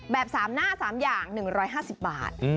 แบบ๓หน้า๓อย่าง๑๕๐บาท